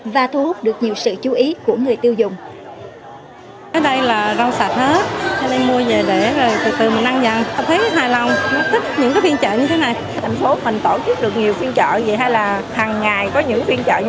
và thu hút được nhiều sự chú ý của người tiêu dùng